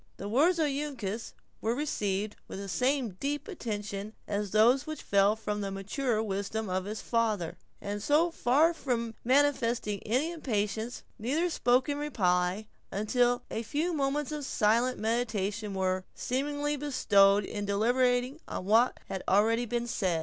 The words of Uncas were received with the same deep attention as those which fell from the maturer wisdom of his father; and so far from manifesting any impatience, neither spoke in reply, until a few moments of silent meditation were, seemingly, bestowed in deliberating on what had already been said.